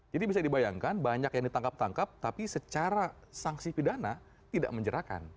jadi bisa dibayangkan banyak yang ditangkap tangkap tapi secara sanksi pidana tidak menjerahkan